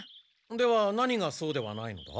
では何がそうではないのだ？